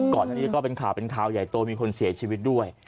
ก่อนอันนี้ก็เป็นข่าวเป็นข่าวใหญ่โตมีคนเสียชีวิตด้วย